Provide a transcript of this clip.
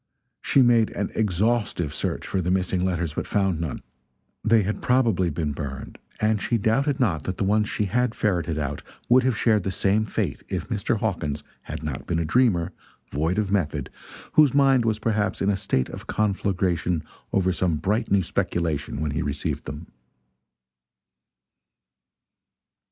She made an exhaustive search for the missing letters, but found none. They had probably been burned; and she doubted not that the ones she had ferreted out would have shared the same fate if Mr. Hawkins had not been a dreamer, void of method, whose mind was perhaps in a state of conflagration over some bright new speculation when he received them.